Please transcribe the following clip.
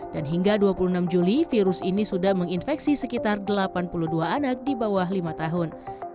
dan hingga dua puluh enam juli virus ini sudah menginfeksi sekitar delapan puluh dua anak di bawah lima tahun